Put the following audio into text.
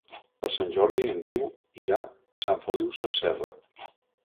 Per Sant Jordi en Guiu irà a Sant Feliu Sasserra.